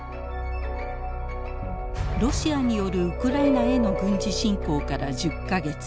ロシアによるウクライナへの軍事侵攻から１０か月